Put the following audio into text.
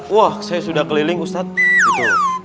wah saya sudah keliling ustadz gitu